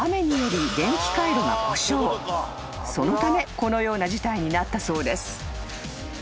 ［そのためこのような事態になったそうです］